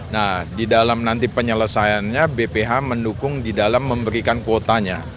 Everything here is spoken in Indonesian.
nah di dalam nanti penyelesaiannya bph mendukung di dalam memberikan kuotanya